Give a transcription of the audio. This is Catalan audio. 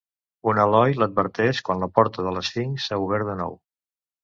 Un eloi l'adverteix quan la porta de l'esfinx s'ha obert de nou.